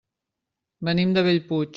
Venim de Bellpuig.